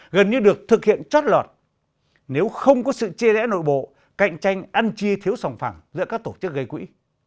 gần như được thực hiện chót lọt nếu không có sự chê rẽ nội bộ cạnh tranh ăn chi thiếu sòng phẳng giữa các tổ chức gây quỹ